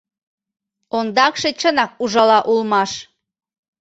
Ондакше чынак ужала улмаш.